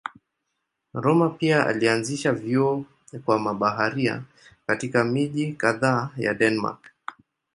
Rømer pia alianzisha vyuo kwa mabaharia katika miji kadhaa ya Denmark.